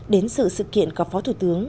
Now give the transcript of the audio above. đến sự sự kiện của phó thủ tướng